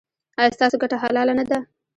ایا ستاسو ګټه حلاله نه ده؟